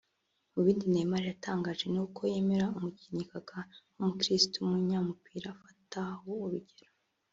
Mu bindi Neymar yatangaje ni uko yemera umukinnyi Kaka nk’umukirisitu w’umunyamupira afataho urugero